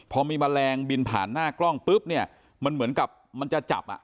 พอมีแมลงบินผ่านหน้ากล้องปุ๊บเนี่ยมันเหมือนกับมันจะจับอ่ะ